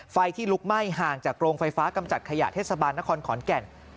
ไฟที่ลุกไหม้ห่างจากโรงไฟฟ้ากำจัดขยะเทศบาลนครขอนแก่น